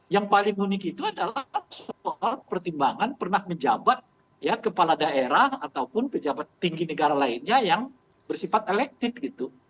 yang paling unik itu adalah soal pertimbangan pernah menjabat kepala daerah ataupun pejabat tinggi negara lainnya yang bersifat elektif gitu